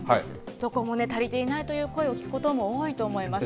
どこも足りていないという声を聞くことも多いと思います。